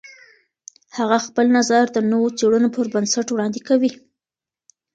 هغه خپل نظر د نوو څېړنو پر بنسټ وړاندې کوي.